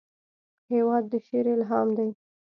هېواد د شعر الهام دی.